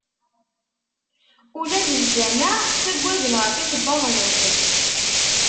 Ula deg lǧameɛ ttagaden ɣef yisebbaḍen-nsen.